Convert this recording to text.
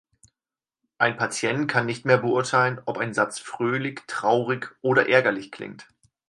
Ein Patient kann nicht mehr beurteilen, ob ein Satz fröhlich, traurig oder ärgerlich klingt.